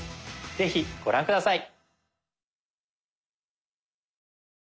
是非ご覧下さい。